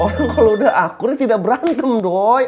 orang kalau udah akur itu tidak berantem doi